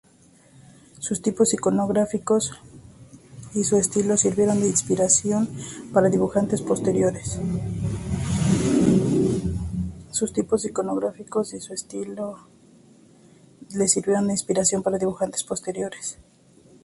Sus tipos iconográficos y su estilo sirvieron de inspiración para dibujantes posteriores.